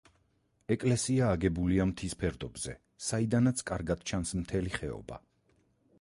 ეკლესია აგებულია მთის ფერდობზე საიდანაც კარგად ჩანს მთელი ხეობა.